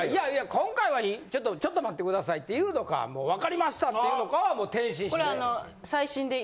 今回はいいちょっとちょっと待ってくださいっていうのかもう分かりましたっていうのかは天心次第です。